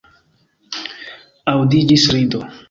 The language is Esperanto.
Aŭdiĝis rido.